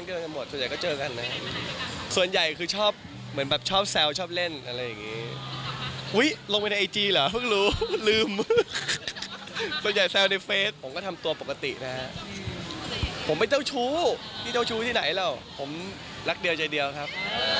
ที่เจ้าชู้ที่ไหนเหรอผมรักเดียวใจเดียวครับ